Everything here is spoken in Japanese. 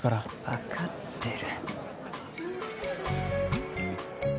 わかってる。